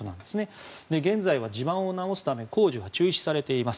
現在は地盤を直すために工事は中止されています。